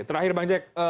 terakhir bang jack